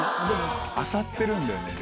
当たってるんだよね。